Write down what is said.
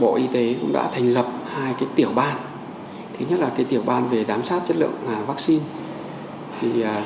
bộ y tế cũng đã thành lập hai tiểu ban thứ nhất là tiểu ban về giám sát chất lượng vaccine